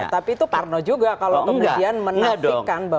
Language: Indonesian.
tapi itu parno juga kalau tni menafikan bahwa